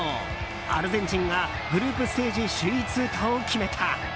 アルゼンチンがグループステージ首位通過を決めた。